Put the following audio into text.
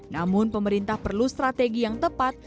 namun pemerintah perlu strategi yang tepat